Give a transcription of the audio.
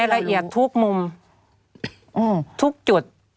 เก็บรายละเอียดทุกมุมทุกจุด